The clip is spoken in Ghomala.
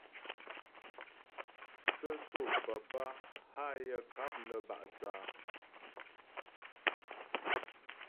Sə́sô papá hâ yaə ŋkáp nə bá' thə̂ á.